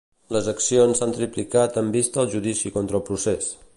Les accions s'han triplicat amb vista al judici contra el procés.